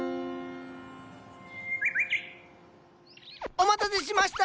お待たせしました！